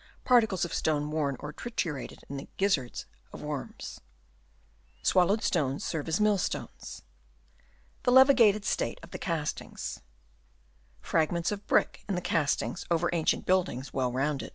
Particles of stone worn or triturated in the gizzards of worms — Swallowed stones serve as mill stones — The levi gated state of the castings — Fragments of brick in the castings over ancient buildings well rounded.